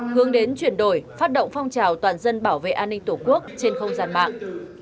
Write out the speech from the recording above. hướng đến chuyển đổi phát động phong trào toàn dân bảo vệ an ninh tổ quốc trên không gian mạng